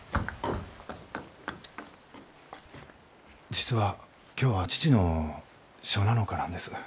実は今日は父の初七日なんです。